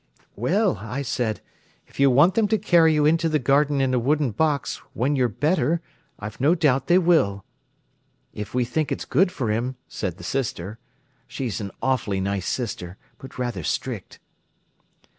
'Well,' I said, 'if you want them to carry you into the garden in a wooden box, when you're better, I've no doubt they will.' 'If we think it's good for him,' said the Sister. She's an awfully nice Sister, but rather strict."